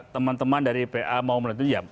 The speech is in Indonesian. teman teman dari pa mau melihat itu ya